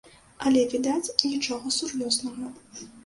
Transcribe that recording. Але, відаць, нічога сур'ёзнага.